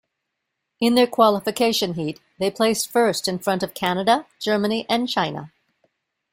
In their qualification heat they placed first in front of Canada, Germany and China.